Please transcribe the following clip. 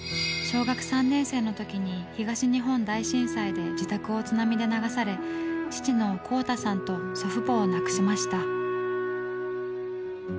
小学３年生の時に東日本大震災で自宅を津波で流され父の功太さんと祖父母を亡くしました。